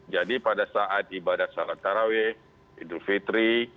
jadi pada saat ibadah salat taraweh hidup fitri